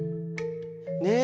ねえ。